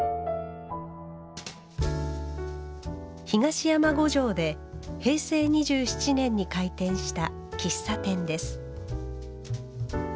東山五条で平成２７年に開店した喫茶店です